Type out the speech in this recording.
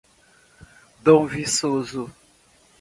Dom Viçoso